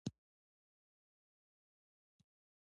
افغانستان د یورانیم نښې نښانې هم لري.